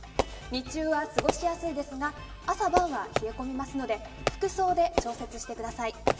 日中は過ごしやすいですが朝晩は冷え込みますので服装で調節してください。